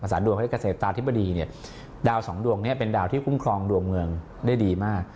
ดวงเขาให้เกษตรตาธิบดีเนี่ยดาวสองดวงนี้เป็นดาวที่คุ้มครองดวงเมืองได้ดีมาก